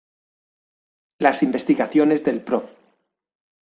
Las investigaciones del Prof.